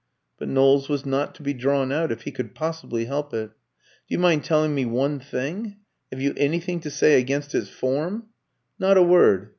But Knowles was not to be drawn out, if he could possibly help it. "Do you mind telling me one thing have you anything to say against its form?" "Not a word.